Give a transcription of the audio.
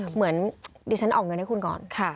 เหมือนดิฉันออกเงินให้คุณก่อน